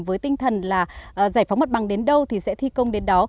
với tinh thần là giải phóng mặt bằng đến đâu thì sẽ thi công đến đó